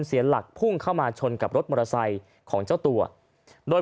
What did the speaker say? เสียหลักพุ่งเข้ามาชนกับรถมอเตอร์ไซค์ของเจ้าตัวโดย